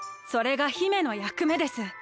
それが姫のやくめです。